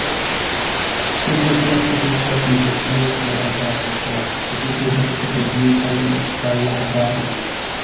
Ties natura habitato estas moderklimataj arbaroj kaj subtropikaj aŭ tropikaj humidaj montararbaroj.